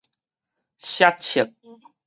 摔粟